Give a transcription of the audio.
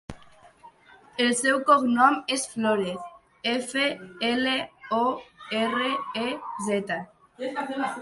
El seu cognom és Florez: efa, ela, o, erra, e, zeta.